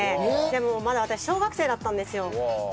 でもまだ私小学生だったんですよ。